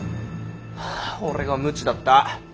俺が無知だった。